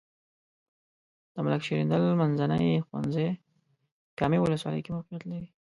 د ملک شیریندل منځنی ښونځی کامې ولسوالۍ کې موقعیت لري.